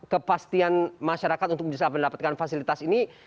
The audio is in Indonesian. kepastian masyarakat untuk bisa mendapatkan fasilitas ini